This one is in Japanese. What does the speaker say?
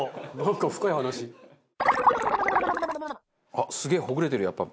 あっすげえほぐれてるやっぱ。